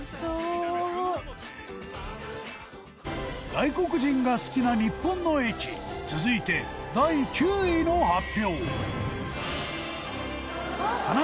外国人が好きな日本の駅続いて、第９位の発表